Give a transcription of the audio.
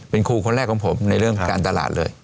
เป็นครูคนแรกของผมในเรื่องการตลาดเลย